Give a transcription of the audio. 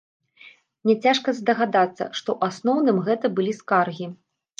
Няцяжка здагадацца, што ў асноўным гэта былі скаргі.